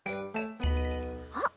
あっ！